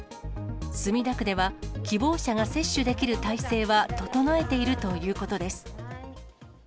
墨田区では、希望者が接種できる体制は整えているということです。